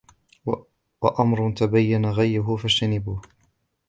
وَأَمْرٌ تَبَيَّنَ غَيُّهُ فَاجْتَنِبُوهُ